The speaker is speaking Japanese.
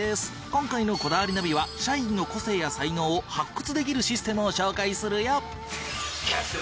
今回の『こだわりナビ』は社員の個性や才能を発掘できるシステムを紹介するよ。